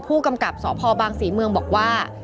ผู้กำกับสพบางศรีเมืองบอกว่า